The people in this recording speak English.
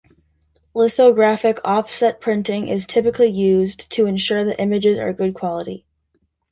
Lithographic offset printing is typically used, to ensure the images are good quality.